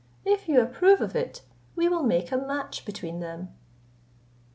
If you approve of it, we will make a match between them."